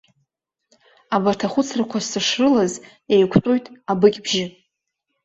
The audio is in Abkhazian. Абарҭ ахәыцрақәа сышрылаз, еиқәтәоит абыкьбжьы.